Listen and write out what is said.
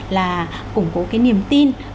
là củng cố cái niềm tin